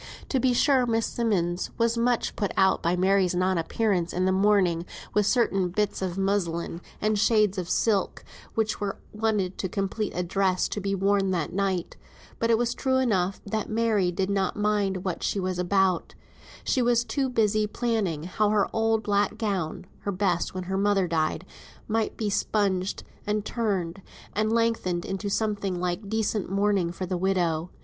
To be sure Miss Simmonds was much put out by Mary's non appearance in the morning with certain bits of muslin, and shades of silk which were wanted to complete a dress to be worn that night; but it was true enough that Mary did not mind what she was about; she was too busy planning how her old black gown (her best when her mother died) might be spunged, and turned, and lengthened into something like decent mourning for the widow.